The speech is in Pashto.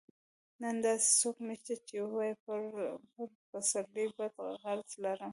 نن داسې څوک نشته چې ووايي پر پسرلي بد قرض لرم.